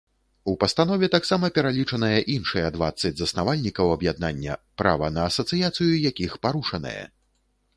У пастанове таксама пералічаныя іншыя дваццаць заснавальнікаў аб'яднання, права на асацыяцыю якіх парушанае.